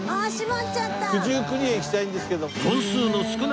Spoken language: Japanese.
九十九里へ行きたいんですけど。